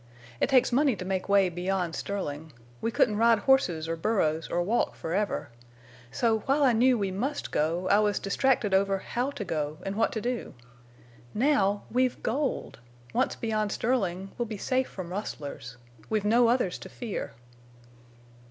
It takes money to make way beyond Sterling. We couldn't ride horses or burros or walk forever. So while I knew we must go, I was distracted over how to go and what to do. Now! We've gold! Once beyond Sterling, we'll be safe from rustlers. We've no others to fear.